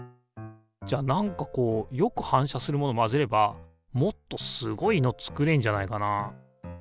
じゃあなんかこうよく反射するもの混ぜればもっとすごいの作れんじゃないかな。